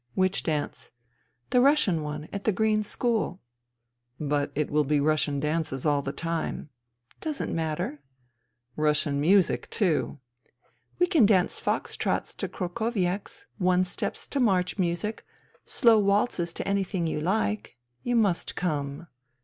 *' Which dance ?"" The Russian one — at the Green School." INTERVENING IN SIBERIA 129 " But it will be Russian dances all the time.'* " Doesn't matter." *' Russian music, too." *' We can dance fox trots to krokoviaks, one steps to march music, slow waltzes to anything you like. You must come."